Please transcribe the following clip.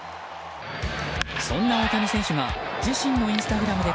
そんな大谷選手が自身のインスタグラムで